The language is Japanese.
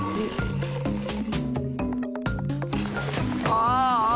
ああ。